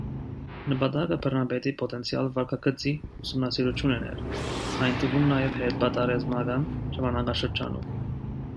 Նպատակը բռնապետի պոտենցիալ վարքագծի ուսումնասիրությունն էր, այդ թվում նաև հետպատերազմական ժամանակաշրջանում։